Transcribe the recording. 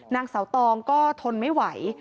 นางเสาตองก็ทนไม่ไหว